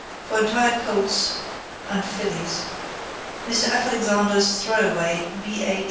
For entire colts and fillies. Mr F. Alexander's Throwaway, b. h.